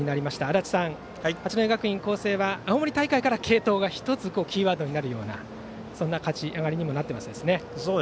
足達さん、八戸学院光星は青森大会から継投が１つキーワードになるような勝ち上がりにもなっていましたね。